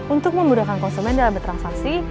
untuk memudahkan konsumen dalam bertransaksi